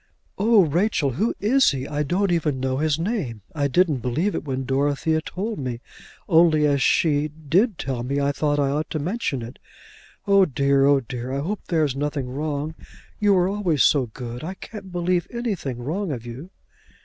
"Oh, Rachel, who is he? I don't even know his name. I didn't believe it, when Dorothea told me; only as she did tell me I thought I ought to mention it. Oh dear, oh dear! I hope there is nothing wrong. You were always so good; I can't believe anything wrong of you."